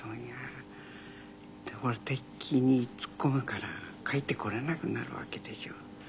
敵に突っ込むから帰ってこれなくなるわけでしょ。